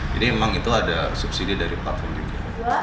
jadi memang itu ada subsidi dari platform juga